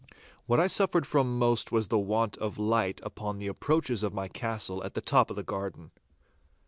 What I suffered from most was the want of light upon the approaches of my castle at the top of the garden.